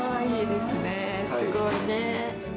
すごいねー。